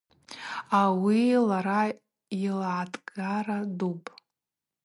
Ауи лара йылгӏатгара дупӏ.